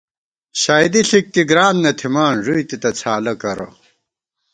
شائیدی ݪِک کی گران نہ تھِمان، ݫُوئی تِتہ څھالہ کرہ